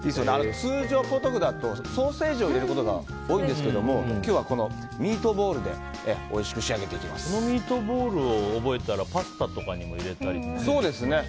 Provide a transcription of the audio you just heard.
通常のポトフだとソーセージを入れることが多いんですけども今日はミートボールでそのミートボールを覚えたらパスタにも入れたりとかね。